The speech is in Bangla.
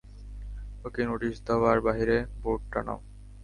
ওকে নোটিশ দাও, আর বাহিরে বোর্ড টানাও।